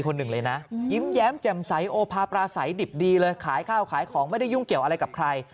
คนหนึ่งเลยนะยิ้มแย้มแจ่มใสโอภาปราศัยดิบดีเลยขายข้าวขายของไม่ได้ยุ่งเกี่ยวอะไรกับใคร